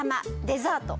デザート？